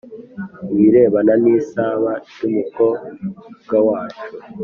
Ibirebana n isaba ry’umukobwa wacu